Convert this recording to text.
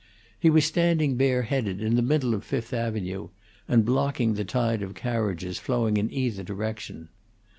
He was standing bareheaded in the middle of Fifth Avenue and blocking the tide of carriages flowing in either direction.